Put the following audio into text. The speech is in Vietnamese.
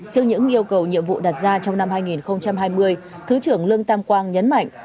trước những yêu cầu nhiệm vụ đặt ra trong năm hai nghìn hai mươi thứ trưởng lương tam quang nhấn mạnh